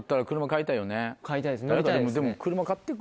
乗りたいですね。